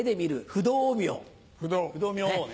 不動明王ね。